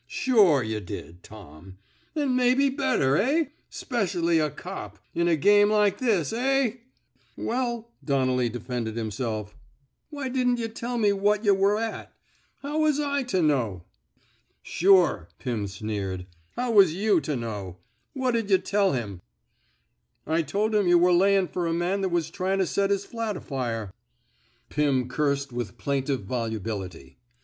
Sure yuh did, Tom. An' maybe better, eh? 'Specially a cop — in a game like this, eh? "Well," Donnelly defended himself, '' why 92 ON CIECUMSTANTIAL EVIDENCE didn't yuh tell me what yuh were at! How was I to know? ''Sure,'' Pirn sneered. How was you to know? ... What'd yuh teU him! "^^ I tol' him yuh were layin' fer a man that was tryin' to set his flat afire." Pim cursed with plaintive volubility.